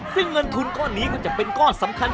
ซึ่งเงินทุนก้อนนี้ก็จะเป็นก้อนสำคัญ